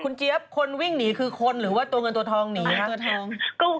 เจี๊ยบคนวิ่งหนีคือคนหรือว่าตัวเงินตัวทองหนีตัวทอง